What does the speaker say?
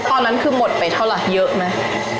ตอนนั้นคือหมดไปเท่าไหร่เยอะไหม